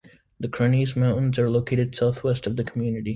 The Cronese Mountains are located southwest of the community.